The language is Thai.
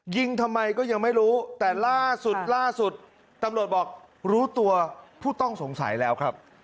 ยิงทำไมก็ยังไม่รู้แต่ล่าสุดล่าสุดตำรวจบอกรู้ตัวผู้ต้องสงสัยแล้วครับ